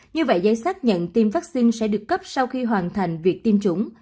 như vậy giấy xác nhận tiêm vaccine sẽ được cấp sau khi hoàn thành việc tiêm chủng